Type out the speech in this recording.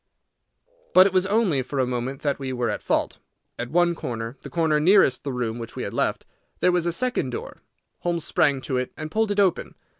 But it was only for a moment that we were at fault. At one corner, the corner nearest the room which we had left, there was a second door. Holmes sprang to it and pulled it open.